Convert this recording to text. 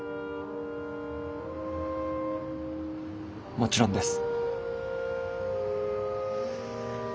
もちろんです。